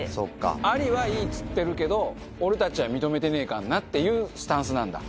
アリはいいって言ってるけど、俺たちは認めてねえからなっていうスタンスなんだ。